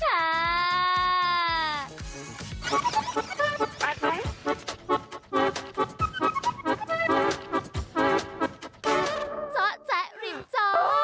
จ๊ะแทะริดจ๊อ